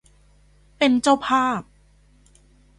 เป็นเจ้าภาพ